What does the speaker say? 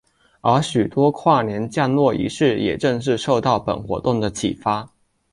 而许多跨年降落仪式也正是受到本活动的启发。